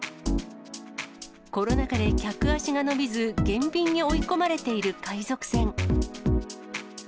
コロナ禍で客足が伸びず、減便に追い込まれている海賊船。